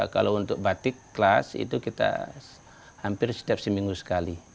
kalau untuk batik kelas itu kita hampir setiap seminggu sekali